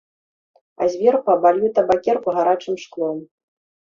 А зверху абалью табакерку гарачым шклом.